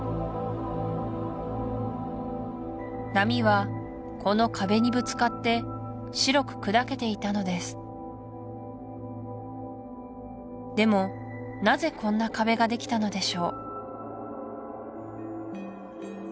波はこの壁にぶつかって白く砕けていたのですでもなぜこんな壁ができたのでしょう？